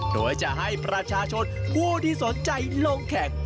โดยจะให้ประชาชนผู้ที่สนใจลงแข่ง